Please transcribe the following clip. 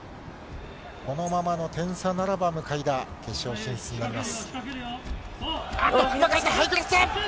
このままの点差ならば向田、決勝進出になります。